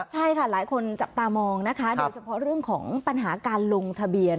ใช่ค่ะหลายคนจับตามองนะคะโดยเฉพาะเรื่องของปัญหาการลงทะเบียน